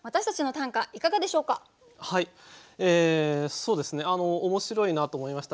そうですね面白いなと思いました。